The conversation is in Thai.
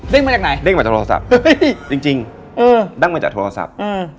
เด้งมาจากไหนเด้งมาจากโทรศัพท์จริงนั่งมาจากโทรศัพท์